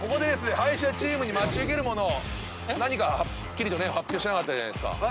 敗者チームに待ち受けるもの何かはっきりと発表してなかったじゃないですか。